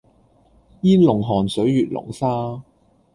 煙籠寒水月籠沙